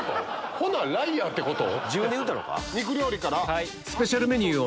ほなライアーってこと？